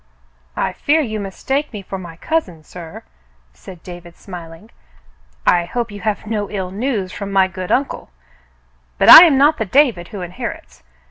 "I fear you mistake me for my cousin, sir," said David, smiling. "I hope you have no ill news from my good uncle; but I am not the David who inherits.